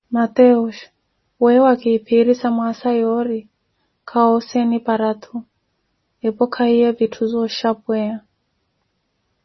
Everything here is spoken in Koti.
Mateus, weeyo wakiphirisa mwaasa yoori khawoseeni parathu, epo khahiye vitthu zooxhapweya.